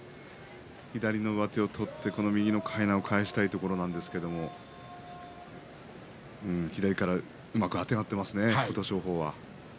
左の上手を取ってこの右のかいなを返したいところなんですけれど左からうまくあてがっていますね琴勝峰は。